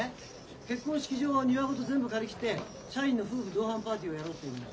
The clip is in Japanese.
結婚式場を庭ごと全部借り切って社員の夫婦同伴パーティーをやろうっていうんだよ。